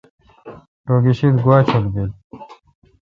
رو گیشد گوا چول بیل۔